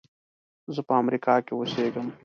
زه په امریکا کې اوسېږم.